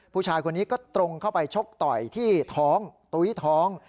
ผู้ชายคนนี้ก็ตรงเข้าไปชกต่อยที่ท้องตุ๊ยท้อง